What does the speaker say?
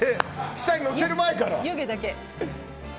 舌にのせる前から。